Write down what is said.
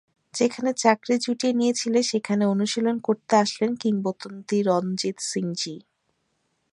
যেখানে চাকরি জুটিয়ে নিয়েছিলেন, সেখানে অনুশীলন করতে আসতেন কিংবদন্তি রনজিত সিংজি।